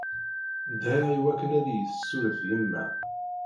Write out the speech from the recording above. Dɛiɣ i wakken ad iyi-tessuref yemma.